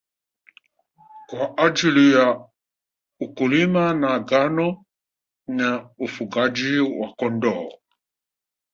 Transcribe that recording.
Kwa ajili ya ukulima wa ngano na ufugaji wa Kondoo